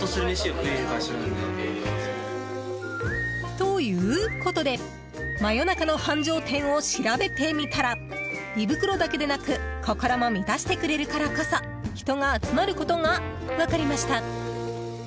ということで真夜中の繁盛店を調べてみたら胃袋だけでなく心も満たしてくれるからこそ人が集まることが分かりました。